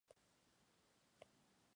Se divide en siete parroquias.